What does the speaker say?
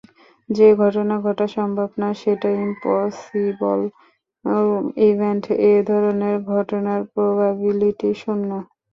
যে ঘটনা ঘটা সম্ভব না সেটা ইম্পসিবল ইভেন্ট, এধরনের ঘটনার প্রবাবিলিটি শূন্য।